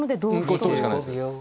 これ取るしかないです。